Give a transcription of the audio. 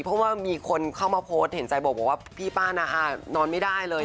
เพราะว่ามีคนเข้ามาโพสต์เห็นใจบอกว่าพี่ป้านาอานอนไม่ได้เลย